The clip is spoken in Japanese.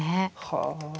はあ。